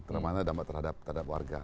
terutama dampak terhadap warga